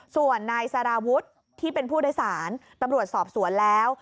ส่วนนายสารวุฒิที่เป็นผู้โดยสารตำรวจสอบสวนแล้ว